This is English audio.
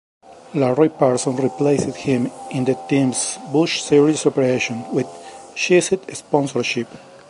Larry Pearson replaced him in the team's Busch Series operation, with Cheez-It sponsorship.